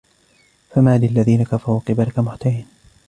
فَمَالِ الَّذِينَ كَفَرُوا قِبَلَكَ مُهْطِعِينَ